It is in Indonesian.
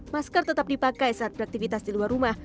masker tetap dipakai saat beraktivitas di luar rumah